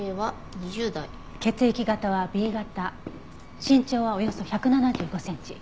血液型はＢ型身長はおよそ１７５センチ。